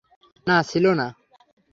না, ছিল না।